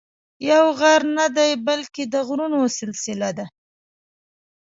یو غر نه دی بلکې د غرونو سلسله ده.